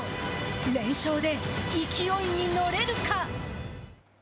連勝で勢いに乗れるか？